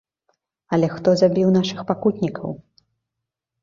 Але хто забіў нашых пакутнікаў?